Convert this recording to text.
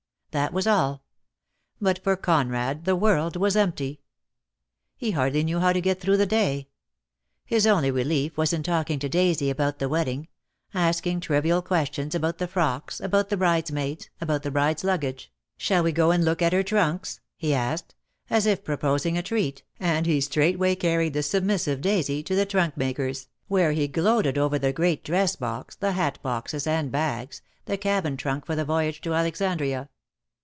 That was all; but for Conrad the world was empty. He hardly knew how to get through the day. His only relief was in talking to Daisy about the wedding — asking trivial questions about the frocks, about the bridesmaids, about the bride's luggage. "Shall we go and look at her trunks?" he asked, as if proposing a treat, and he straightway carried the submissive Daisy to the trunk makers, where he DEAD LOVE HAS CHAINS. 265 gloated over the great dress box, the hat boxes and bags, the cabin trunk for the voyage to Alexandria.